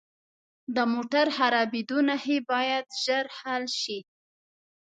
د موټر خرابیدو نښې باید ژر حل شي.